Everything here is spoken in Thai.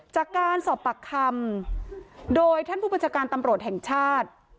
จากการสอบปากคำโดยท่านผู้บัญชาการตำรวจแห่งชาติ